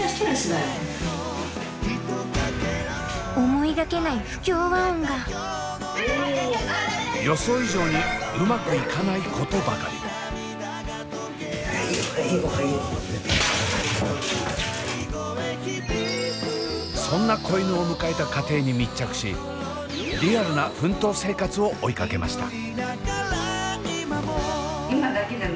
思いがけない予想以上にそんな子犬を迎えた家庭に密着しリアルな奮闘生活を追いかけました。